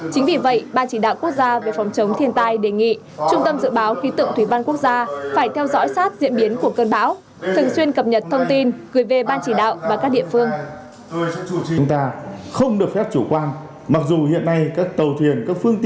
chính vì vậy ban chỉ đạo quốc gia về phòng chống thiên tai đề nghị trung tâm dự báo khí tượng thủy văn quốc gia phải theo dõi sát diễn biến của cơn bão thường xuyên cập nhật thông tin gửi về ban chỉ đạo và các địa phương